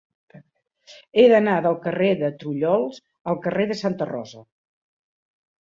He d'anar del carrer de Trullols al carrer de Santa Rosa.